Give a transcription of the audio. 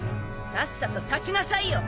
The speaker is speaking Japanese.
さっさと立ちなさいよ。